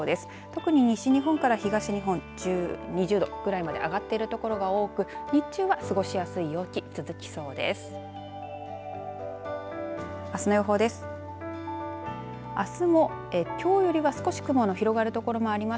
特に西日本から東日本２０度ぐらいまで上がっている所が多く、日中は過ごしやすい陽気が続きそうです。